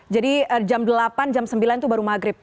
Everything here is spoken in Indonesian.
jadi jam delapan sembilan itu baru maghrib